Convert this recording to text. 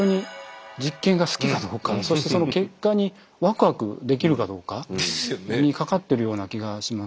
そしてその結果にワクワクできるかどうかにかかってるような気がします。